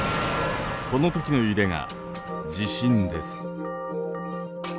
この時の揺れが地震です。